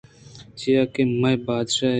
چیاکہ میئے بادشاہے